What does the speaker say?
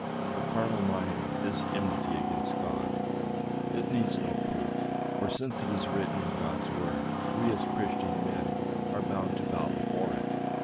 " The carnal mind is en mity against God." It needs no proof, for since it is 20* 234 SERMONS. written in God's word, we, as Christian men, are bound to bow before it.